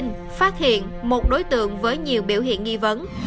tổng hợp các thông tin phát hiện một đối tượng với nhiều biểu hiện nghi vấn